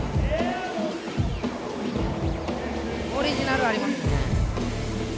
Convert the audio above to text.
オリジナルありますね。